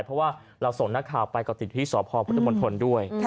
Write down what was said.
เพราะว่าเราส่งหน้าข่าวไปกับสิทธิ์ที่สพพด้วย